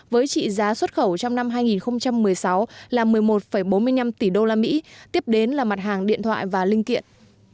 với trị giá xuất khẩu trong năm hai nghìn một mươi sáu là một mươi một bốn mươi năm tỷ usd tiếp đến là mặt hàng điện thoại và linh kiện